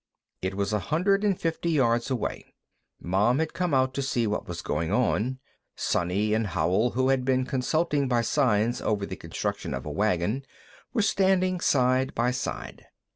It was a hundred and fifty yards away. Mom had come out to see what was going on; Sonny and Howell, who had been consulting by signs over the construction of a wagon, were standing side by side.